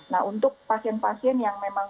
nah untuk pasien pasien yang memang